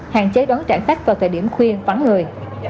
hạn chế đón trả khách vào thời điểm khuya vắng người